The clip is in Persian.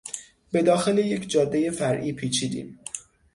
به داخل یک جادهی فرعی پیچیدیم.